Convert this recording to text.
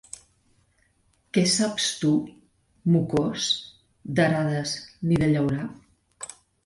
Què saps tu, mocós, d'arades ni de llaurar?